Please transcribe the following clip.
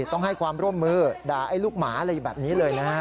ต้องให้ความร่วมมือด่าไอ้ลูกหมาอะไรแบบนี้เลยนะฮะ